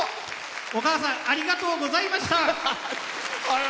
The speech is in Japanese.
お母さんありがとうございました！